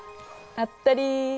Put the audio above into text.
当ったり！